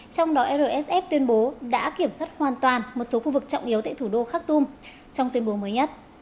trong đó rsf tuyên bố đã kiểm soát hoàn toàn một số khu vực trọng yếu tại thủ đô khak tum trong tuyên bố mới nhất